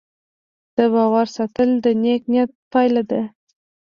د باور ساتل د نیک نیت پایله ده.